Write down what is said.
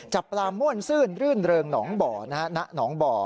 จับปลาม่วนซื่นรื่นเริงหนองบ่อนะฮะณหนองบ่อ